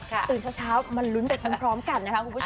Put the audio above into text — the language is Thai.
มาลุ้นไปคุณพร้อมกันนะครับ